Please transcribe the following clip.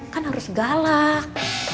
kan harus galak